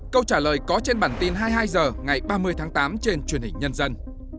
câu trả lời có trên bản tin hai mươi hai h ngày ba mươi tháng tám trên truyền hình nhân dân